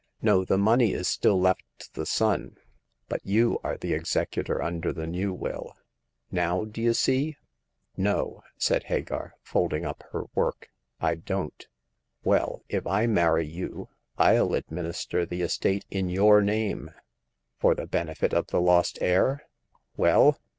No ; the money is still left to 24 Hagar of the Pawn Shop. ' the son ; but you are the executor under the new will. Now d'ye see ?"No/' said Hagar, folding up her work, "I don't." Well, if I marry you, FU administer the estate in your name "" For the benefit of the lost heir ? Well